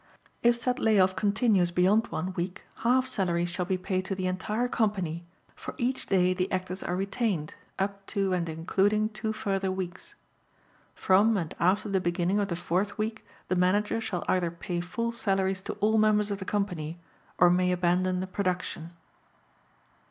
If said lay off continues beyond one week, half salaries shall be paid to the entire company for each day the Actors are retained up to and including two further weeks. From and after the beginning of the fourth week the Manager shall either pay full salaries to all members of the company or may abandon the production.